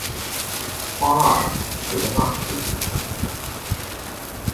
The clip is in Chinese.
巴尔德纳克。